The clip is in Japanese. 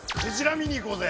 見に行こうぜ。